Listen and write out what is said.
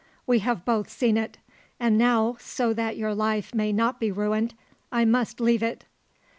We have both seen it. And now, so that your life may not be ruined, I must leave it."